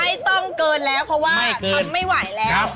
ไม่ต้องเกินแล้วเพราะว่าทำไม่ไหวแล้วไม่เกินครับ